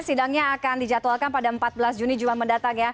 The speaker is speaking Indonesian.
sidangnya akan dijadwalkan pada empat belas juni juman mendatang ya